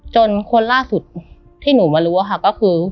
คนล่าสุดที่หนูมารู้ค่ะก็คือ